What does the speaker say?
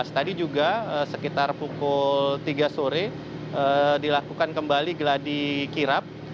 tadi juga sekitar pukul tiga sore dilakukan kembali geladi kirap